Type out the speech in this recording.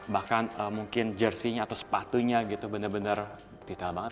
bahkan mungkin jersinya atau sepatunya gitu benar benar detail banget